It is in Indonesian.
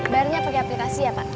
barunya pergi aplikasi ya pak